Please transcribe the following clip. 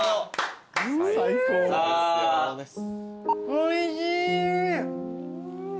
おいしい。